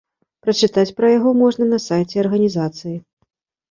Прачытаць пра яго можна на сайце арганізацыі.